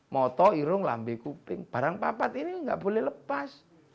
moto irung lambe kuping barang papat ini nggak boleh lepas